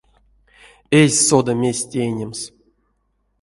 Эзь сода, мезть тейнемс.